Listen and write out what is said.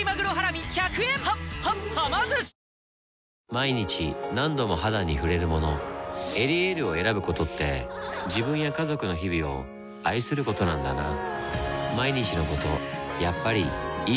毎日何度も肌に触れるもの「エリエール」を選ぶことって自分や家族の日々を愛することなんだなぁ